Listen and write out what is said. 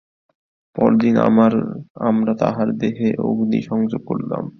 পরদিন আমরা তাঁহার দেহে অগ্নিসংযোগ করিলাম।